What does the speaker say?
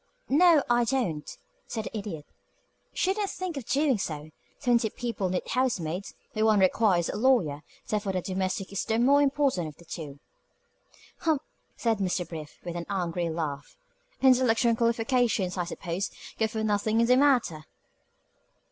"No, I don't," said the Idiot. "Shouldn't think of doing so. Twenty people need housemaids, where one requires a lawyer; therefore the domestic is the more important of the two." "Humph!" said Mr. Brief, with an angry laugh. "Intellectual qualifications, I suppose, go for nothing in the matter."